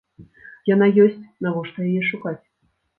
Яна ёсць, навошта яе шукаць?